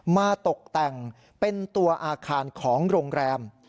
ตกแต่งเป็นตัวอาคารของโรงแรม